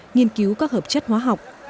nghiên cứu các hợp chất hóa học